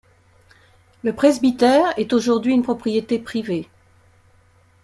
Le presbytère est aujourd'hui une propriété privée.